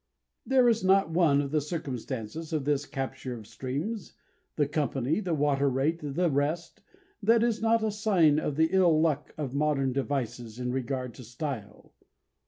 There is not one of the circumstances of this capture of streams the company, the water rate, and the rest that is not a sign of the ill luck of modern devices in regard to style.